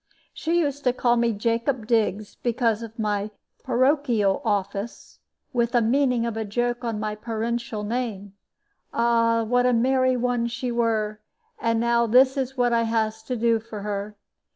She used to call me 'Jacob Diggs,' because of my porochial office, with a meaning of a joke on my parenshal name. Ah, what a merry one she were! And now this is what I has to do for her!